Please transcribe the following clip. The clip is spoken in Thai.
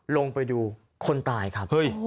ลงไปดูคนตายครับ